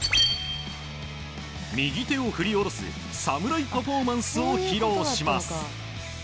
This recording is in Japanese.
右手を振り下ろす侍パフォーマンスを披露します。